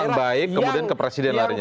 kurang baik kemudian ke presiden lainnya